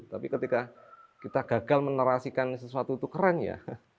tapi ketika kita gagal menerasikan sesuatu itu keren ya